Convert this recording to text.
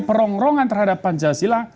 perongrongan terhadap pancasila